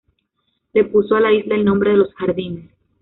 Le puso a la isla el nombre de "Los Jardines".